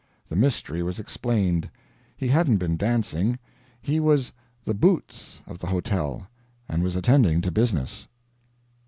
The mystery was explained. He hadn't been dancing. He was the "Boots" of the hotel, and was attending to business.